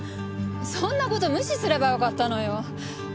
そんな事無視すればよかったのよ！